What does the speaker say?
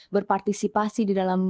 bagaimana kita membangun kebijakan